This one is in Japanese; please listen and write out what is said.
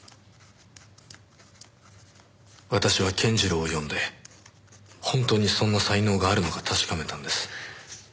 私は健次郎を呼んで本当にそんな才能があるのか確かめたんです。